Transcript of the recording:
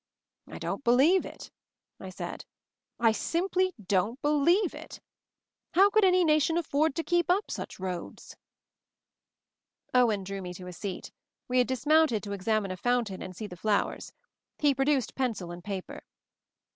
"I don't believe it," I said. "I simply don't believe it! How could any nation af ford to keep up such roads 1" Owen drew me to a seat — we had dis mounted to examine a fountain and see the flowers. He produced pencil and paper.